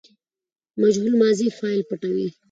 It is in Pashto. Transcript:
مجهول ماضي فاعل پټوي.